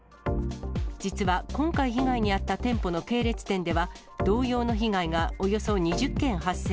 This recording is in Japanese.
実は、今回被害に遭った店舗の系列店では、同様の被害がおよそ２０件発生。